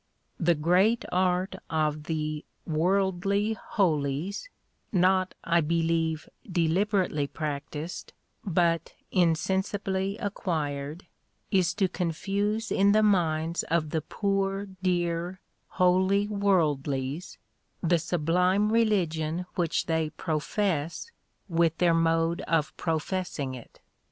The great art of the "worldly holies" not, I believe, deliberately practised, but insensibly acquired is to confuse in the minds of the poor dear "wholly worldlies" the sublime religion which they profess, with their mode of professing it.